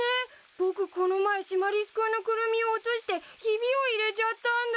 僕この前シマリス君のクルミを落としてひびを入れちゃったんだ。